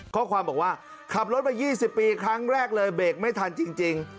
ข้อความบอกว่าขับรถมา๒๐ปีครั้งแรกเลยเบรกไม่ทันจริง